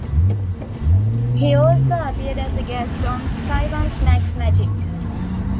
He also appeared as a guest on Sky One's Max Magic.